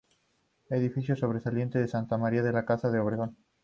Edificio sobresaliente de Santa María es la casa de los Obregón.